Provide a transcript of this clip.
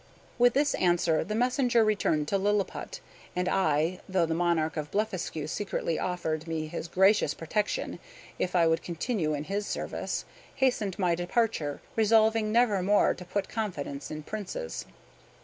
With this answer the messenger returned to Lilliput; and I (though the monarch of Blefuscu secretly offered me his gracious protection if I would continue in his service) hastened my departure, resolving never more to put confidence in princes.